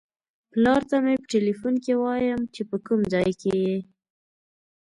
پلار ته مې په ټیلیفون کې وایم چې په کوم ځای کې یې.